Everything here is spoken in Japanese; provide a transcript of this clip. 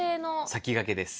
先駆けです。